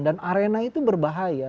dan arena itu berbahaya